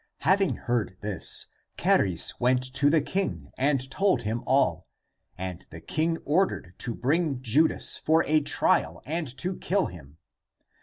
Having heard this, Charis went to the king, and told him all. And the king ordered to bring Judas for a trial and to kill him.